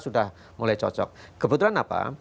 sudah mulai cocok kebetulan apa